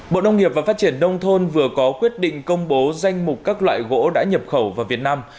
bộ nông nghiệp và phát triển nông thôn vừa có quyết định công bố danh mục các loại gỗ đã nhập khẩu vào việt nam